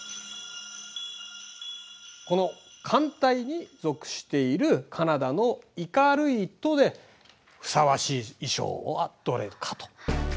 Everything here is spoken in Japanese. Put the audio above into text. この寒帯に属しているカナダのイカルイトでふさわしい衣装はどれかと。